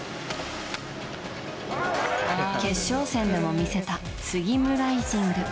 決勝戦でも見せたスギムライジング。